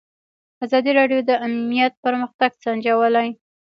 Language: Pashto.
ازادي راډیو د امنیت پرمختګ سنجولی.